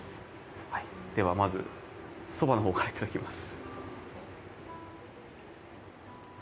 はいではまずそばの方からいただきます